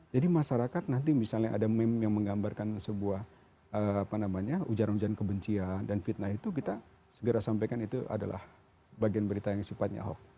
jadi masyarakat nanti misalnya ada meme yang menggambarkan sebuah apa namanya ujar ujaran kebencian dan fitnah itu kita segera sampaikan itu adalah bagian berita yang sifatnya hoax